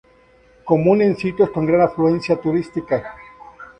Común en sitios con gran afluencia turística.